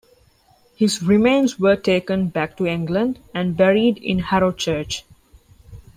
His remains were taken back to England and buried in Harrow Church.